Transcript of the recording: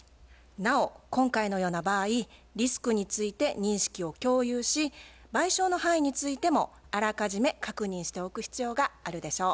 なお今回のような場合リスクについて認識を共有し賠償の範囲についてもあらかじめ確認しておく必要があるでしょう。